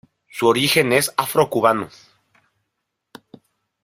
Su origen es afro-cubano.